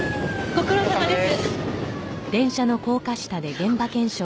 ご苦労さまです。